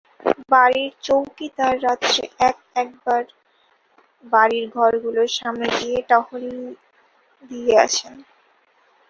বাড়ির চৌকিদার রাত্রে এক-একবার বাড়ির ঘরগুলোর সামনে দিয়ে টহলিয়ে আসে।